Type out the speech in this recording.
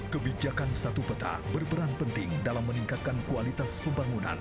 kebijakan satu peta berperan penting dalam meningkatkan kualitas pembangunan